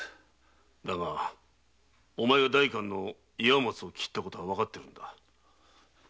だがお前が代官の岩松を斬ったことはわかっている。